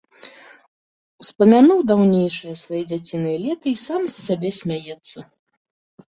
Успамянуў даўнейшае, свае дзяціныя леты й сам з сябе смяецца.